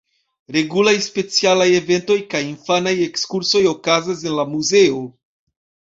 Regulaj specialaj eventoj kaj infanaj ekskursoj okazas en la muzeo.